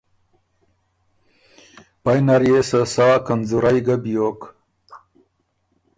پئ نر يې سۀ سا کنځورئ ګۀ بیوک